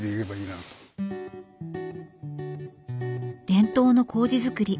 伝統のこうじづくり。